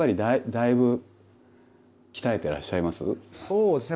そうですね。